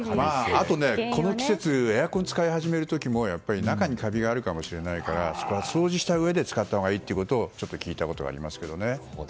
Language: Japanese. あとはこの季節エアコンを使い始める時も中にカビがあるかもしれないから掃除したうえで使ったほうがいいと聞いたことがありますね。